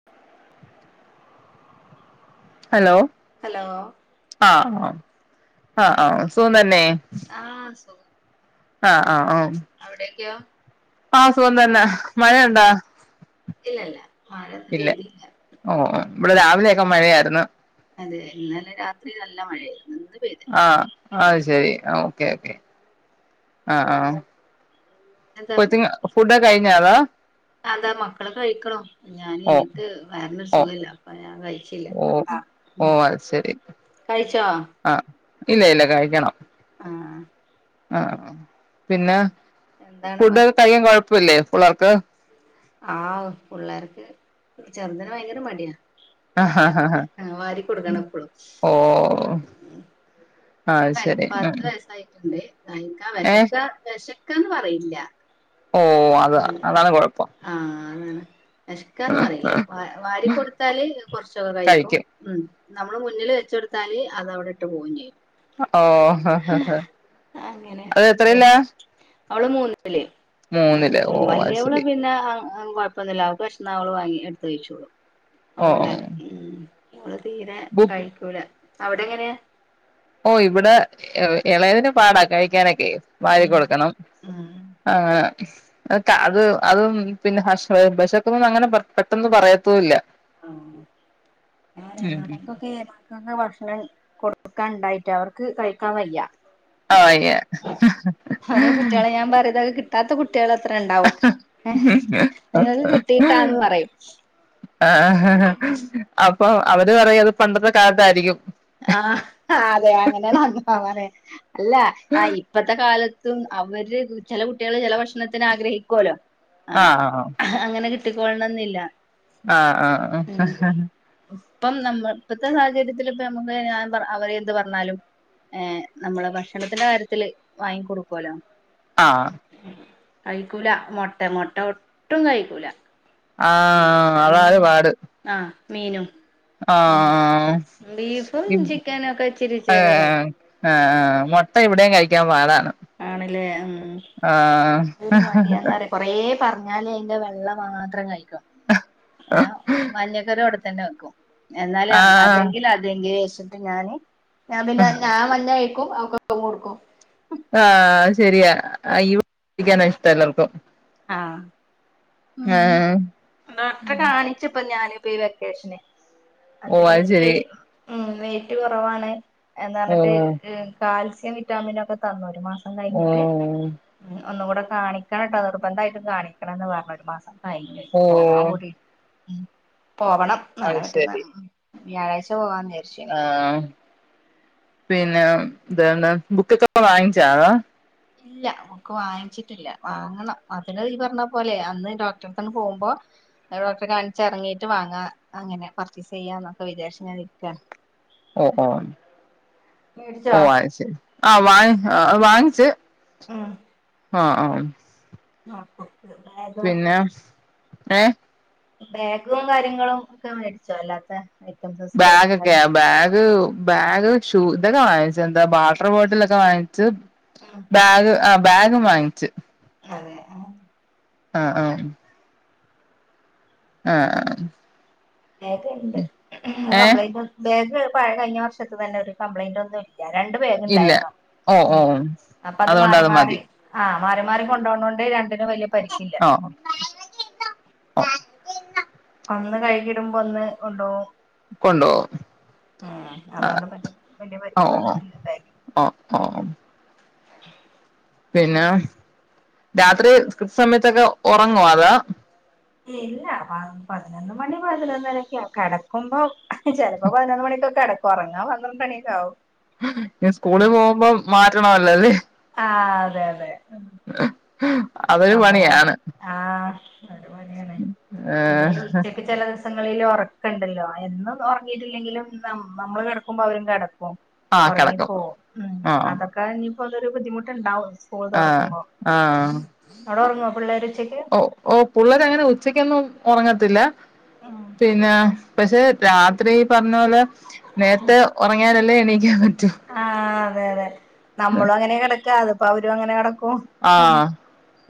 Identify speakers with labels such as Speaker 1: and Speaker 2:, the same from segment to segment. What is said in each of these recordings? Speaker 1: [inaudible] Hello
Speaker 2: hello
Speaker 1: ആ ആ ആ സുഖം തന്നെ
Speaker 2: ആ സുഖം
Speaker 1: ആ ആ ആ
Speaker 2: അവിടേക്കോ
Speaker 1: ആ സുഖം തന്നെ
Speaker 2: ആ
Speaker 1: മഴയുണ്ടാ
Speaker 2: ഇല്ലല്ല മഴ ന്ന്
Speaker 1: ഇല്ല
Speaker 2: പെയ്തില്ല
Speaker 1: ഓ ഇവ്ടെ രാവിലെയൊക്കെ മഴയാര്ന്നു
Speaker 2: അതെ ഇന്നലെ രാത്രി നല്ല മഴയേര്ന്നു ഇന്ന്
Speaker 1: ആ
Speaker 2: പെയ്തിട്ടില്ല
Speaker 1: അത് ശരി ഓക്കെ ഓക്കെ ആ ആ
Speaker 2: എന്താ
Speaker 1: കോച്ചിങ്ങ് ഫുഡ്‌ ഒക്കെ കഴിഞ്ഞതാ
Speaker 2: അതാ മക്കള് കഴിക്ക്ണു ഞാൻ എനിക്ക് വയർനൊരു
Speaker 1: ഓ
Speaker 2: സുഖല്ല ഞാൻ കഴിച്ചില്ല
Speaker 1: ഓ
Speaker 2: വേണ്ടാ
Speaker 1: ഓ
Speaker 2: ഉം
Speaker 1: അത് ശരി
Speaker 2: കഴിച്ചോ
Speaker 1: ആ ഇല്ല ഇല്ല കഴിക്കണം
Speaker 2: ആഹ്
Speaker 1: ആ പിന്നെ
Speaker 2: എന്താണ് മ
Speaker 1: ഫുഡ് ഒക്കെ കഴിയാൻ കൊഴപ്പല്ലേ പുള്ളാർക്ക്
Speaker 2: ആ പുള്ളാർക്ക് ചെർതിന് ഭയങ്കര മടിയാ
Speaker 1: ആ ആ
Speaker 2: [unintelligible] ആ വാരി ക്കൊടുക്കണം എപ്പളും
Speaker 1: ഓ [inaudible]
Speaker 2: പത്ത് വയസ്
Speaker 1: ശരി ഉം
Speaker 2: പത്ത് വയസായിട്ട്ണ്ട് കഴിക്ക
Speaker 1: ഏഹ്
Speaker 2: വെശക്കാ വെശക്കാന്ന് പറയില്ല
Speaker 1: ഓ അത അതാണ് കൊഴപ്പം
Speaker 2: ആ വെ വെശ്ക്കാന്ന് പറയില്ല വ വാരി കൊടുത്താല് കൊർച്ചൊക്കെ കഴിക്കും ഉം നമ്മള് മുന്നില് വെച്ചൊട്ത്താല് അത് അവ്ടെ ഇട്ട് പോകും ചെയ്യും
Speaker 1: ഓ
Speaker 2: അങ്ങനെ
Speaker 1: അത്
Speaker 2: വെ
Speaker 1: എത്രയിലാ
Speaker 2: അവള് മൂന്നില് ഉം
Speaker 1: മൂന്നില് ഓ
Speaker 2: ഉം
Speaker 1: അത്
Speaker 2: വല്യവള്
Speaker 1: ശരി
Speaker 2: പിന്നേ അതൊന്നും കൊഴ്പ്പൊന്നുല്ല അവക്ക് വെശന്നാൽ അവള് വാങ്ങി എട്ത്ത് കഴിച്ചോളും
Speaker 1: ഓ
Speaker 2: അവള് ഉണ്ടാക്കീ ഇവള് തീരെ
Speaker 1: ബു
Speaker 2: കഴിക്കൂല അവ്ടെ എങ്ങനെയാ
Speaker 1: ഓ ഇവ്ടെ എ എളയതിന് പാടാ കഴിക്കാനൊക്കെ വാരി
Speaker 2: ഉം
Speaker 1: കൊടുക്കണം
Speaker 2: ഉം
Speaker 1: അങ്ങനെ അത് ക അത് അതും പിന്നെ അശ് വെശക്ക്ന്നുന്ന് അങ്ങനെ പെട്ടെന്ന് പറയത്തുല്ല
Speaker 2: ആ വേറെ നടക്കൊക്കെ നല്ല ഭക്ഷണം കൊട്ക്കാൻ ണ്ടായ്റ്റ് അവർക്ക് കഴിക്കാൻ വയ്യ
Speaker 1: ആ വയ്യ
Speaker 2: ഓരോ കുട്ട്യാള് ഞാൻ പറിം തൊക്കെ കിട് കിട്ടാത്ത കുട്ട്യേള് എത്ര ണ്ടാവും ഹേ നിങ്ങക്ക്‌ കിട്ടീട്ടാന്ന് പറയും
Speaker 1: അപ്പോ അവര് പറയും അത് പണ്ടത്തെ കാൽത്താരിക്കും
Speaker 2: ആ അതെ അങ്ങനെയാണ് [unintelligible] അല്ല ആ ഇ ഇപ്പത്തെ കാലത്തും അവര് ചെല കുട്ടികള് ചെല ഭക്ഷണത്തിന് ആഗ്രഹിക്കോലോ ആ അങ്ങനെ കിട്ടിക്കോൾണംന്നില്ല
Speaker 1: ആഹ് ആഹ് ആഹ്
Speaker 2: ഇപ്പം നമ്മൾ ഇപ്പത്തെ സാഹചര്യത്തിൽ ഇപ്പം നമ്മുക്ക് ഞാൻ പറ അവര് എന്ത് പറഞ്ഞാലും ഏ നമ്മള് ഭക്ഷണത്തിന്റെ കാര്യത്തില് വാങ്ങി കൊടുക്കോലോ
Speaker 1: ആഹ്
Speaker 2: കഴിക്കൂല മുട്ട മുട്ട ഒട്ടും കഴിക്കൂല
Speaker 1: ആ
Speaker 2: മുട്ടം
Speaker 1: അതാണ്
Speaker 2: ആ മീനും ആഹ്
Speaker 1: ആം
Speaker 2: ബീഫും
Speaker 1: മീനും
Speaker 2: ചിക്കനും ഒക്കെ ഇച്ചിരി
Speaker 1: ഏ
Speaker 2: ഇച്ചിരിയൊക്കെ കഴിക്കും
Speaker 1: ആ ആ് മുട്ട ഇവിടെയും കഴിക്കാൻ പാടാണ്
Speaker 2: ആണല്ലേ ഉം ഉം
Speaker 1: ആഹ്
Speaker 2: ഒരു മടിയന്നര കുറേ പറഞ്ഞാല അതിന്റെ വെള്ള മാത്രം കഴ ഏ മഞ്ഞക്കറി അവിടെത്തന്നെ വെക്കും എന്നാല
Speaker 1: ആഹ്
Speaker 2: അതെങ്കിൽ അതെങ്കിലിൽ വെച്ചിട്ട് ഞാന് ഞാൻ പിന്നെ ഞാൻ മഞ്ഞ കഴിക്കും പുമുടുക്കും
Speaker 1: ആ ശരിയാ ഇവിക്കാന ഇഷ്ടം എല്ലാവർക്കും
Speaker 2: ആഹ
Speaker 1: ആഹ്
Speaker 2: ഡോക്ടറെ കാണി ഇപ്പ ഞാന് പോയി വെക്കേഷന്
Speaker 1: ഓ
Speaker 2: അത് ലേക്കനി
Speaker 1: ശരി
Speaker 2: ഉം വെയിറ്റ് കുറവാണ് എന്താ
Speaker 1: ഓ
Speaker 2: പറഞ്ഞിട്ട് കാൽസ്യം വിറ്റാമിന ഒക്കെ തന്നു ഒരു മാസം തന്നെ
Speaker 1: ഓ
Speaker 2: കഴിഞ്ഞിട്ട് ഒന്നു കൂടെ കാണിക്കണം കേട്ടോ നിർബന്ധമായിട്ടും കാണിക്കണംന്ന് പറഞ്ഞ ഒരു മാസം കൈ
Speaker 1: ഓ
Speaker 2: പോവാൻ കൂടി ഉ പോവണം നാളെ
Speaker 1: അത്
Speaker 2: മറ്റന്നാളെ വ്യാഴാഴ്ച പോവാൻ നേര
Speaker 1: ആഹ പിന്നെ എന്താണ് ബുക്കൊക്കെ വാങ്ങിച്ചോ?
Speaker 2: ഇല്ല നമക്ക് വാങ്ങിച്ചിട്ടില്ല വാങ്ങണം അതിന് ഈ പറഞ്ഞ പോലെ അന്ന് ഡോക്ടറെ തന്ന പോകുമ്പോ ഡോക്ടറെ കാണിച്ച ഇറങ്ങിട്ട് വാങ്ങാ അങ്ങനെ പർച്ചേസ് ചെയ്യാ എന്നൊക്കെ വിചാരിച്ച് ഞാൻ നിക്കാണ്
Speaker 1: ഓ ഓ
Speaker 2: മേടിച്ചോ
Speaker 1: ഓ വാങ്ങിച് അ ആഹ് വാങ്ങ വാങ്ങിച്ച ആഹ ആഹ
Speaker 2: ആ
Speaker 1: പിന്നെ ഏഹ
Speaker 2: ബാഗും കാര്യങ്ങളും ഒക്കെ മേടിച്ചോ അല്ലാത്ത ഐറ്റംസ്
Speaker 1: ബാഗ
Speaker 2: സ്റ്റേഷനറി
Speaker 1: ഒക്കെയ ബാഗ് ബാഗ് ഷൂ ഇതൊക്കെ വാങ്ങിച്ച എന്താ വാട്ടർ ബോട്ടിലൊക്കെ വാങ്ങി ച്
Speaker 2: ഉം
Speaker 1: ബാഗ് ആഹ ബാഗ്ഗ വാങ്ങിച്ചു
Speaker 2: [unintelligible]
Speaker 1: ആഹ ആഹ
Speaker 2: ബാഗ് ഉണ്ട് ആ
Speaker 1: ഏ
Speaker 2: കംപ്ലയിന്റ് ബാഗ് പഴ കഴിഞ്ഞ വർഷത്ത് തന്നെ ഒരു കപ്യിന്റ് ഒന്നുമില്ല രണ്ട
Speaker 1: ഇല്ല
Speaker 2: ബാഗ്ണ്ടായിരുന്നുോ
Speaker 1: ഓ ഓ
Speaker 2: ഉം അപ്പൊ അത്
Speaker 1: അതുകൊണ്ട്
Speaker 2: മാറി മാറി
Speaker 1: മതി
Speaker 2: ആഹ് മാറി മാറി കൊണ്ടവ്നോണ്ട് കൊണ്ട് രണ്ടിനും വലിയ പരിക്കില്ല
Speaker 1: ഒ [unintelligible]
Speaker 2: ഒന്ന് കൈകിടുമ്പോ ഒന്ന് കൊണ്ടോവും
Speaker 1: കൊണ്ടോവും
Speaker 2: ഉം അതൊണ്ട് വലിയ വലിയ പരിക്ക് വന്നിട്ടില്ല
Speaker 1: ആ ആഹ പിന്നെ രാത്രി കൃത്യ സമയത്തൊക്കെ ഉറങ്ങുവാ അതോ
Speaker 2: ഇല്ല പതിനൊന്ന് മണി പതിനൊന്നരൊക്കെയ കിടക്കുമ്പോ ചിലപ്പോ പതിനൊന്ന് മണിക്കൊക്കെ കടക്കും ഒറങ്ങാ പന്ത്രണ്ടണിയക്കാവും
Speaker 1: ഇനി സ്കൂളിൽ പോകുമ്പോ മാറ്റണമല്ലൊത്
Speaker 2: ആ അതെ അതെ
Speaker 1: അതൊരു
Speaker 2: നമ്മളനെ
Speaker 1: പണിയാണ്
Speaker 2: ആ അവര്മതിയാണ് പിന്നെ ഉച്ചപ്പ ചിലദിവസ സങ്ങളിൽ ഉറക്കണ്ടല്ലോ എന്നും ഉറങ്ങിയിട്ടില്ലെങ്കിലും നമ്മൾ കിടക്കുമ്പോ അവരും കടക്കും
Speaker 1: ആ കിടക്കും
Speaker 2: ഉറങ്ങിപ്പോവും ഉം
Speaker 1: ആ
Speaker 2: അതൊക്കെ ഇനിയിപ്പരു ബുദ്ധിമുട്ട്ണ്ടാവും
Speaker 1: ആഹ ആഹ
Speaker 2: അവിടെ ഒറങ്ങോ പിള്ളേര് ഉച്ചയ്ക്ക്
Speaker 1: ഓ പുള്ളര് അങ്ങനെ ഉച്ചക്കൊന്നും ഉറങ്ങത്തില്ല
Speaker 2: ഉം
Speaker 1: പിന്നെ പക്ഷെ രാത്രീ ഈ പറഞ്ഞ പോലെ നേരത്തെ ഒറങ്ങിയാലല്ലേ എണീക്കാൻ പറ്റൂ
Speaker 2: ആഹ് അതെയതെ നമ്മളും അങ്ങനെ കെടക്കാ അതിപ്പോ അവരും അങ്ങനെ കെടക്കും
Speaker 1: ആഹ്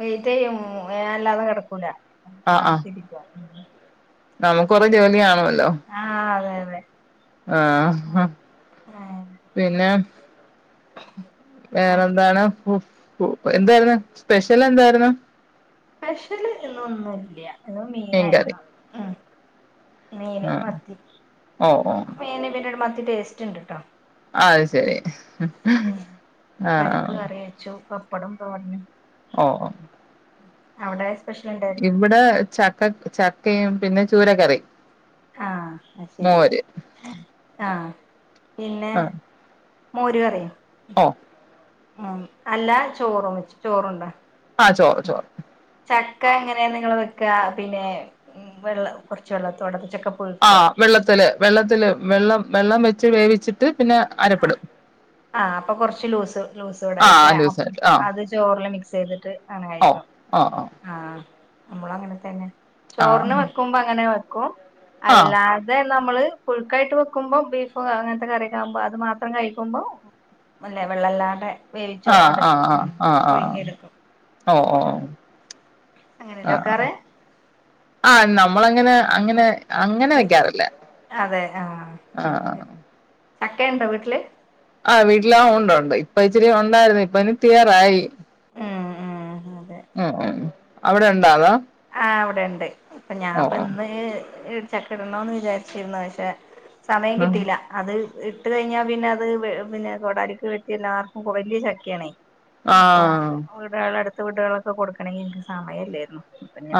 Speaker 2: വെയ്റ്റയ്യും ഞാല്ലാതെ കെടക്കൂല കാത്തിരിക്കും ഉം
Speaker 1: നമുക്കൊറെ ജോലി കാണുല്ലോ
Speaker 2: ആഹ് അതെയതെ
Speaker 1: ആഹ് ഹാ പിന്നാ
Speaker 2: ആഹ്
Speaker 1: വേറെന്താണ് ഫു എന്തായിരുന്നു സ്പെഷ്യലന്തായിര്ന്ന്
Speaker 2: സ്പെഷ്യല് ഇന്നൊന്നുല്ല ഇന്ന്
Speaker 1: മീൻകറി
Speaker 2: മീനായിരുന്നു ഉം മീന്
Speaker 1: ആഹ്
Speaker 2: മത്തി
Speaker 1: ഓ ഓ
Speaker 2: മീന് ഇന്നെട് മത്തി ടേസ്റ്റ് ഇണ്ട്ട്ടോ
Speaker 1: അയ് ശെരി
Speaker 2: ഉം പരിപ്പ് കറി വെച്ചു പപ്പടം തോരനും
Speaker 1: ഓഹ് ഓഹ്
Speaker 2: അവിടെ സ്പെഷ്യല്
Speaker 1: ഇവിടെ ചക്കക്ക ചക്കയും പിന്നെ ചൂരകറി
Speaker 2: ആഹ് അയ്ശെരി ആഹ് പിന്നെ
Speaker 1: ആഹ്
Speaker 2: മോര് കറിയും
Speaker 1: ഓ
Speaker 2: ഉം അല്ലാചോറും വെച്ച് ചോറുണ്ടോ
Speaker 1: ആഹ് ചോറ് ചോറ്
Speaker 2: ചക്ക എങ്ങനെ നിങ്ങള് വെക്കാ പിന്നെ ഉം വെള്ള കൊർച്ച് വെള്ളത്തോടെ ചക്കപു
Speaker 1: ആഹ് വെള്ളത്തില് വെള്ളത്തില് വെള്ളം വെള്ളം വെച്ച് വേവിച്ചിട്ട് പിന്നെ
Speaker 2: ആഹ്
Speaker 1: അരപ്പെടും
Speaker 2: ആ അപ്പൊ കൊറച്ച് ലൂസ്
Speaker 1: ആ
Speaker 2: ലൂസൂടായിട്ടല്ലേ
Speaker 1: ലൂസായിട്ട് ആ
Speaker 2: അ ചോറില് മിക്സയ്തിട്ട് അങ്ങന
Speaker 1: ഓ
Speaker 2: കഴിക്കും
Speaker 1: ഓ ഓ
Speaker 2: ആഹ് നമ്മളും അങ്ങനെ തന്നെ
Speaker 1: ആ
Speaker 2: ചോറിന് വെക്കുമ്പോ അങ്ങനെ വെക്കും
Speaker 1: ആ
Speaker 2: അല്ലാ തെ നമ്മള് പുഴുക്കായിട്ട് വെക്കുമ്പോ ബീഫ് അങ്ങനത്തെ കറിക്കാവുമ്പോ അത് മാത്രം കഴിക്കുമ്പോ നല്ലെ വെള്ളല്ലാണ്ടെ വേവിച്ചൊട ഉം പുഴുങ്ങിയെടുക്കും
Speaker 1: ഓഹ് ഓഹ് ഓഹ്
Speaker 2: അങ്ങനെയല്ലേ
Speaker 1: ആഹ് ആഹ്
Speaker 2: വെക്കാറ്
Speaker 1: ആഹ് നമ്മളങ്ങനെ അങ്ങനെ അങ്ങനെ
Speaker 2: ഉം
Speaker 1: വെക്കാറില്ല
Speaker 2: അതെ ആഹ്
Speaker 1: ആ ആ
Speaker 2: ശെരി ചക്ക ഇണ്ടോ വീട്ടില്
Speaker 1: ആഹ് വീട്ടിലാ ഉണ്ടുണ്ട് ഇപ്പൊ ഇച്ചിരി ഉണ്ടായിരുന്നു ഇപ്പ ഇനി തീരാറായി
Speaker 2: ഉം ഉം അതെ
Speaker 1: ഉം ഉംഹ് അവിടെണ്ടോ അതോ
Speaker 2: ആ ഇവിടെണ്ട് ഇപ്പൊ
Speaker 1: ഓ ഓ
Speaker 2: ഞാൻപ്പന്ന് ഇ ചക്ക ഇടണോന്ന് വിചാരിച്ചിരുന്നു പഷെ സമയം
Speaker 1: ഉം.
Speaker 2: കിട്ടീലാ അത് ഇട്ട് കയിഞ്ഞാപിന്നെ അത് വെ പിന്നെ കൊടാലിക്ക് വെട്ടിയെല്ലാവർക്കും വെല്യ ചക്കയാണേ
Speaker 1: ആ
Speaker 2: അപ്പൊ വീടുകള് അടുത്ത വീടുകളൊക്കെ കൊടുക്കണെങ്കിൽ എനിക്ക് സമയല്ലേയിരുന്നു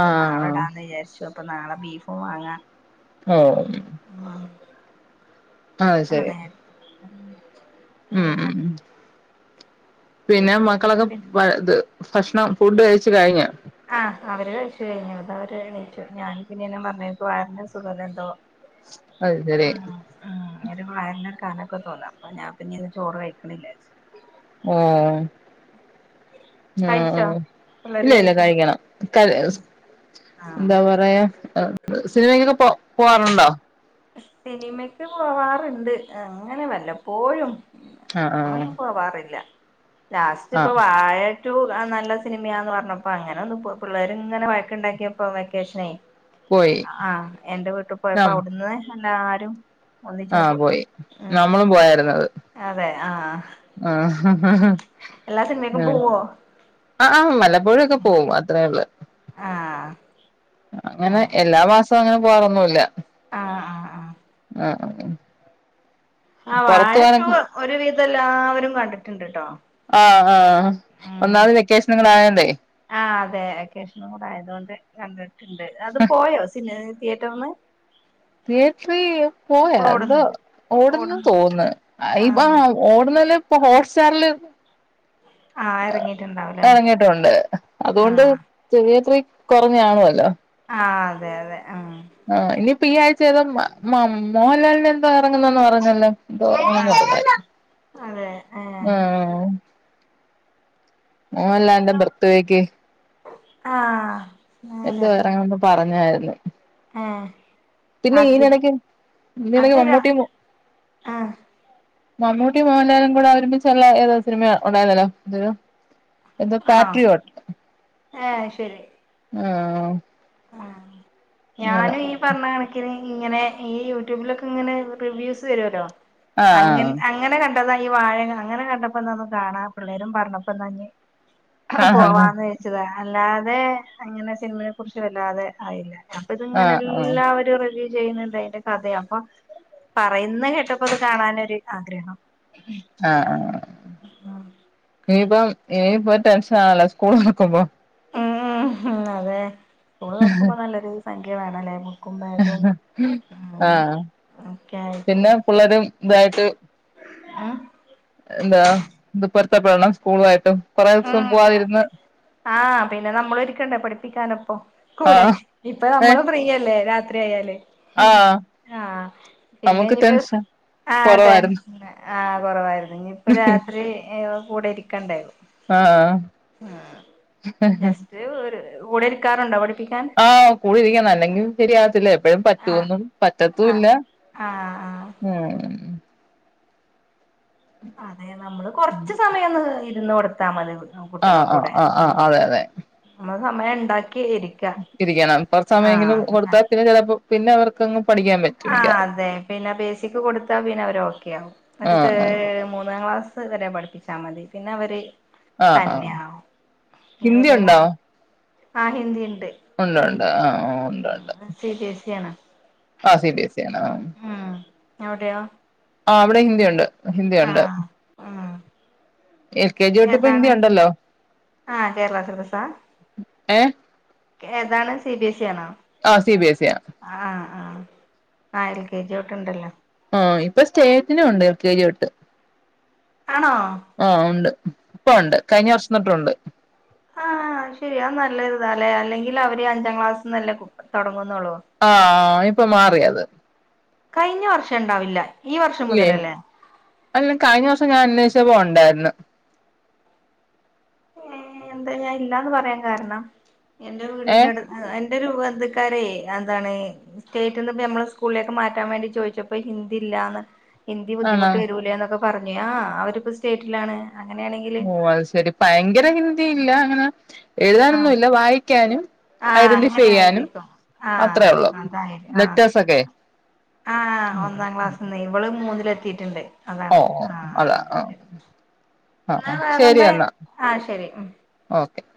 Speaker 1: ആ
Speaker 2: നാളെ
Speaker 1: ആ
Speaker 2: ഇടാന്ന് വിചാരിച്ചു അപ്പൊ നാളെ ബീഫും വാങ്ങാ
Speaker 1: ഓഹ് അത് ശരി
Speaker 2: അതെ
Speaker 1: ഉം ഉം ഉം പിന്നെ മക്കളൊക്കെ ഇത് ഭക്ഷണ ഫുഡ് കഴിച്ചു കയിഞ്ഞോ?
Speaker 2: ആഹ് അവര് കഴിച്ചു കയിഞ്ഞു അത അവര് എണീച്ചു ഞാൻ പിന്നെ പറഞ്ഞ നിക്ക് വയറിന് സുഖല്ല എന്തോ
Speaker 1: അയ് ശരി
Speaker 2: ഉം ഒരു വയറിനൊരു കനൊക്കെ തോന്നാ അപ്പൊ ഞാൻ പിന്നെന്ന് ചോറ് കഴിക്കണില്ല വിചാരിച്ച്
Speaker 1: ആഹ്
Speaker 2: കഴിച്ചോ
Speaker 1: ആഹ്
Speaker 2: പിള്ളേര്
Speaker 1: ഇല്ല ഇല്ല
Speaker 2: കഴിച്ചോ
Speaker 1: കഴിക്കണം കല്ലേസ്
Speaker 2: ആഹ്
Speaker 1: എന്താ പറയാ എഹ് എഹ് സിനിമക്കൊക്കെ പോ പോവാറുണ്ടോ
Speaker 2: സിനിമക്ക് പോവാറ്ണ്ട് അങ്ങനെ വല്ലപ്പോഴും
Speaker 1: ആ ആ
Speaker 2: ഇപ്പൊന്നും പോവാറില്ല
Speaker 1: ആ
Speaker 2: ലാസ്റ്റ്പ്പൊ വാഴ റ്റൂ ആഹ് നല്ല സിനിമയാന്ന് പറഞ്ഞപ്പോ അങ്ങനെ ഒന്ന് പോ പിള്ളേര്ങ്ങനെ വയക്ക്‌ണ്ടാക്കിയപ്പോ വെക്കേഷ്നെ
Speaker 1: പോയി
Speaker 2: ആഹ് ആഹ് എന്റെ വീട്ടി പോയപ്പോ
Speaker 1: ആ
Speaker 2: അവിട്ന്ന് എല്ലാരും ഒന്നിച്ചെങ്ങ്ട് പോയി ഉം
Speaker 1: നമ്മളും
Speaker 2: അതെ ആഹ്
Speaker 1: ആഹ് ഹ ഹ ഹ ആഹ്
Speaker 2: പോവോ
Speaker 1: അ ആ വല്ലപ്പോഴൊക്കെ പോവും അത്രേള്ളൂ.
Speaker 2: ആഹ്
Speaker 1: അങ്ങനെ എല്ലാ മാസോം അങ്ങനെ പോവാറൊന്നുല്ല
Speaker 2: ആഹ് ആഹ് ആഹ് ആഹ്
Speaker 1: അ അ ഉ
Speaker 2: ആ വാഴ റ്റൂ ഒരു വിധല്ലാവരും കണ്ടിട്ട്ണ്ട്ട്ടോ
Speaker 1: ആഹ് ആഹ് ആഹ് ഒന്നാത് വെക്കേഷനൊ ങ്ങായന്നേ
Speaker 2: ആ് അതെ വെകേഷനും കൂടെ ആയതോണ്ട് കണ്ടിട്ടുണ്ട് അത് പോയോ സിനി തിയേറ്ററ്ന്ന്
Speaker 1: തിയേറ്ററി പോയോ തോ
Speaker 2: ഓടുന്നോ
Speaker 1: ഓട്ന്ന്
Speaker 2: ഓടുന്നു
Speaker 1: തോന്ന്ന്ന്
Speaker 2: ആ
Speaker 1: അയിബാ ഓടുന്നേല്ലാ പ്പോ ഹോട്ട് സ്റ്റാറില്
Speaker 2: ആ ഇറങ്ങിയിട്ടുണ്ടാവുംല്ലേ
Speaker 1: എറങ്ങീട്ടുണ്ട്
Speaker 2: ആ
Speaker 1: അതുകൊണ്ട് തിയേറ്ററി കൊറഞ്ഞാണുവല്ലോ
Speaker 2: ആഹ് അതെയതെ ആഹ്
Speaker 1: ആഹ് ഇനിയിപ്പോ ഈ ആഴ്ചേതോ മ മ മോഹലാലിൻ്റെ എന്തോ എറങ്ങുന്നെന്ന് പറഞ്ഞല്ലോ
Speaker 2: ആ അതെ ഏ
Speaker 1: [unintelligible]
Speaker 2: ശരി
Speaker 1: ആഹ് മോഹലാലിൻ്റെ ബർത്ത് വേക്ക്
Speaker 2: ആഹ്
Speaker 1: എന്തോ എറങ്ങ്ന്ന് പറഞ്ഞാര്ന്ന്
Speaker 2: ഏ
Speaker 1: പിന്നെ ഈ
Speaker 2: അതിര്
Speaker 1: നെടക്ക് ഇനെടക്ക്
Speaker 2: അതരാ
Speaker 1: മമ്മൂട്ടിയും മോ
Speaker 2: ആ
Speaker 1: [inaudible] മമ്മൂട്ടിയും മോഹൻലാലും കൂടെ ഒരുമിച്ചുള്ള ഏതോ സിനിമ ഉണ്ടായിരുന്നല്ലോ രു
Speaker 2: ആണോ ഏഹ് ശെരി
Speaker 1: ആഹ്
Speaker 2: ഞാനും ഈ പറഞ്ഞ കണക്കിന് ഇങ്ങനെ ഈ യൂട്യൂബിലൊക്കെ ഇങ്ങനെ റിവ്യൂസ് വരുവല്ലോ
Speaker 1: ആ ആ
Speaker 2: അങ്ങ്ൻ അങ്ങനെ കണ്ടതാ ഈ വാഴെക്കെ അങ്ങനെ കണ്ടപ്പോന്താന്ന് കാണാ പിള്ളേരും പറഞ്ഞപ്പന്നാ ഇഞ്ഞീ
Speaker 1: ആഹ് ആഹ്
Speaker 2: പോവാന്ന് വെച്ചതാ അല്ലാതെ അങ്ങനെ സിനിമയെകുറിച്ച് വല്ലാതെ ആറിയില്ല അപ്പത്ങ്ങനെ
Speaker 1: ആഹ് ആഹ്
Speaker 2: എല്ലാവരും റെവ്യൂ ചെയ്യ്‌ന്ന്ണ്ട് അയിന്റെ കഥയപ്പൊ പറയുന്ന കേട്ടപ്പത് കാണാൻനൊര് ആഗ്രഹം
Speaker 1: ആഹ് ആഹ്
Speaker 2: ആഹ്
Speaker 1: ഇനീപ്പം ഇനിയിപ്പോ ടെൻഷനാണല്ലോ സ്കൂള് തൊർക്കുമ്പോ
Speaker 2: ഉം അതെ സ്കൂള് തൊർക്കുമ്പോ നല്ലൊരു സംഖ്യ വേണല്ലേ ബുക്കും ബാഗും ഉം ഒക്കെയായ്ട്ട്
Speaker 1: പിള്ളാരും ഇതായിട്ട്
Speaker 2: ആഹ്
Speaker 1: എന്താ ഇത് പൊരുത്തപ്പെടണം സ്കൂളുവായിട്ടും കൊറേസം
Speaker 2: ഉം
Speaker 1: പോവാതിരുന്ന്
Speaker 2: ആഹ് പിന്നെ നമ്മളിരിക്കണ്ടേ പഠിപ്പിക്കാന് പ്പൊ കൂടെ
Speaker 1: ആഹ്
Speaker 2: ഇപ്പ നമ്മള്
Speaker 1: ഏഹ്
Speaker 2: ഫ്രീയല്ലേ രാത്രിയായാല് ഏഹ്
Speaker 1: ആഹ്
Speaker 2: ആഹ്
Speaker 1: നമുക്ക്
Speaker 2: പിന്നെഞ്ഞ്പ്പ സ്
Speaker 1: ടെൻഷൻ
Speaker 2: ആഹ് തെ
Speaker 1: കൊറവായിരുന്നു
Speaker 2: ആഹ് കൊറവായിരുന്നു ഇഞ്ഞ്പ്പോ രാത്രി കൂടെയിരിക്കണ്ടേ
Speaker 1: ആഹ്
Speaker 2: ര് ഓര് കൂടെയിരിക്കാറുണ്ടോ പഠിപ്പിക്കാൻ?
Speaker 1: ആഹ് കൂടെയിരിക്ക ണല്ലെങ്കി ശരിയാവത്തില്ല എപ്പഴും
Speaker 2: ആഹ്
Speaker 1: പറ്റുവൊന്നും
Speaker 2: ആഹ്
Speaker 1: പറ്റത്തൂല്ല.
Speaker 2: ആഹ് ആഹ്
Speaker 1: ആഹ്
Speaker 2: അതെ നമ്മള് കൊറച്ച് സമയൊന്ന് ഇരുന്ന് കൊടുത്താ മതി.
Speaker 1: ആഹ് അഹ് അഹ് ആഹ് അതെയതെ
Speaker 2: നമ്മ സമയണ്ടാക്കിയിരി
Speaker 1: രിക്കണം കൊറച്ച് സമയെങ്കിലും കൊടുത്താൽ പിന്നെ ചെലപ്പോ പിന്നെവർക്കങ്ങ് പഠിക്കാൻ പ
Speaker 2: ആഹ് അതെ പിന്നെ ബേസിക്ക് കൊടുത്താ പിന്നെ അവര് ഓക്കെ ആവു മറ്റേ
Speaker 1: ആഹ്
Speaker 2: ത്
Speaker 1: ആഹ്
Speaker 2: മൂന്നാ ക്ലാസ് സ് വരെ പഠിപ്പിച്ചാ മതി പിന്നെ അവര്
Speaker 1: ആഹ് ആഹ്
Speaker 2: തന്നെയാവും പിന്നെ
Speaker 1: ഹിന്ദി
Speaker 2: വല്യ മോള
Speaker 1: ഉണ്ടോ?
Speaker 2: ആഹ് ഹിന്ദിണ്ട്.
Speaker 1: ഒണ്ട് ണ്ട് ആഹ് ഒണ്ട് ണ്ട്.
Speaker 2: സി ബി സിആണ്.
Speaker 1: ആഹ് സി ബി എസ് സി യാണ്.
Speaker 2: ഉം ഞവ്ടെയോ?
Speaker 1: ആഹ് അവിടെ ഹിന്ദിഒണ്ട് ഹിന്ദിഒണ്ട്.
Speaker 2: ആഹ് ഉം
Speaker 1: എൽ കെ ജി ഒട്ട് ഇപ്പ ഹിന്ദി
Speaker 2: ഏതാണ്
Speaker 1: ഒണ്ടല്ലോ.
Speaker 2: ആഹ് കേരള സിലബസാ
Speaker 1: ഏഹ്?
Speaker 2: ഏതാണ് സി ബി എ സി ആണോ?
Speaker 1: ആ സി ബി എസ് ഇ ആ.
Speaker 2: ആഹ് ആഹ് ആഹ് എൽ കെ ജി ട്ട് ണ്ടല്ലോ.
Speaker 1: ആഹ് ഇപ്പൊ സ്റ്റേറ്റിനും ഒണ്ട് എൽ കെ ജി തൊട്ട്.
Speaker 2: ആണോ?
Speaker 1: ആഹ് ഒണ്ട് ഇപ്പോഒണ്ട് കയ്ഞ്ഞ വർഷം തൊട്ടുണ്ട്.
Speaker 2: ആ ഹ ശെരിയാ അഹ് നല്ലരുതാലെ അല്ലെങ്കില് അവര് അഞ്ചാം ക്ലാസ്ന്നല്ലേ ബുക്ക് തൊടങ്ങുന്നുള്ളൂ.
Speaker 1: ആഹ് ഇപ്പൊ മാറിയത്.
Speaker 2: കഴിഞ്ഞ വർഷം ണ്ടാവില്ല ഈ വർഷം
Speaker 1: ഇല്ലേ
Speaker 2: മുതലല്ലേ?
Speaker 1: അല്ല കയ്ഞ്ഞ വർഷം ഞാൻ അന്വേഷിച്ച പോ ഒണ്ടായ്ര്ന്ന്.
Speaker 2: ഏഹ് എന്താ ഞാൻ ഇല്ലാന്ന് പറയാ കാരണം എന്റെ വീടിന്റെ
Speaker 1: ഏഹ്
Speaker 2: അട് അ എന്റെ ഒരു ബന്ധുക്കാരെ അഹ് എന്താണ്? സ്റ്റേറ്റന്ന് ഞമ്മള് സ്കൂൾലേക്ക് മാറ്റാൻ വേണ്ടി ചോയ്ച്ചപ്പോ ഹിന്ദി ഇല്ലാന്ന്. ഹിന്ദി
Speaker 1: ആണോ
Speaker 2: ബുദ്ധിമുട്ട് വെരൂലെ ന്നൊക്കെ പർഞ് ആഹ് അവരിപ്പ സ്റ്റേറ്റിലാണ് അങ്ങനെയാണെങ്കി
Speaker 1: ഓഹ് അഹ് ശെരി ഭയങ്കര ഹിന്ദി ഇല്ല അങ്ങനെ എഴുതാനൊന്നും ഇല്ല വായിക്കാനും
Speaker 2: ആഹ്
Speaker 1: ഐഡന്റിഫൈ
Speaker 2: അങ്ങനെ
Speaker 1: ചെയ്യാനും
Speaker 2: ആയിരിക്കു
Speaker 1: അത്രേ
Speaker 2: ആഹ്
Speaker 1: ഉള്ളൂ
Speaker 2: അതായിത് ആഹ്
Speaker 1: ലെറ്റേഴ്സൊക്കെ
Speaker 2: ആഹ് ഒന്നാം ക്ലാസ്ന്ന് ഇവള് മൂന്നില് എത്തിട്ട്ണ്ട്.
Speaker 1: ഓ
Speaker 2: അതാണ്
Speaker 1: അതാ
Speaker 2: ആഹ് ശരി
Speaker 1: ആ
Speaker 2: എന്ന
Speaker 1: ആ ശരി
Speaker 2: വേറെന്ത്
Speaker 1: എന്നാ
Speaker 2: ആഹ് ശെരി ഉം
Speaker 1: ഓക്കെ.